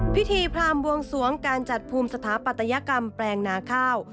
พิธีพรามบวงสวงการจัดภูมิสถาปัตยกรรมแปลงนาข้าว